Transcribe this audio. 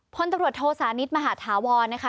พลตำรวจโทสานิทมหาธาวรนะคะ